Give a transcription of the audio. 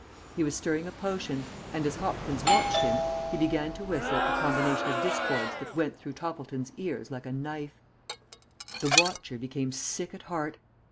He was stirring a potion, and, as Hopkins watched him, he began to whistle a combination of discords that went through Toppleton's ears like a knife. The watcher became sick at heart.